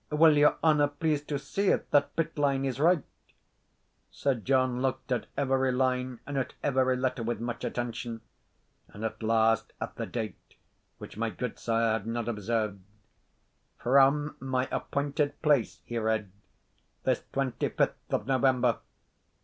"Will your honour please to see if that bit line is right?" Sir John looked at every line, and at every letter, with much attention; and at last at the date, which my gudesire had not observed "From my appointed place," he read, "this twenty fifth of November."